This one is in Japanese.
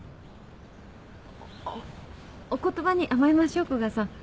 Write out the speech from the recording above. おっお言葉に甘えましょう古賀さん。